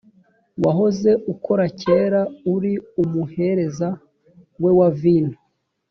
wahoze ukora kera uri umuhereza we wa vino